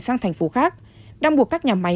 sang thành phố khác đang buộc các nhà máy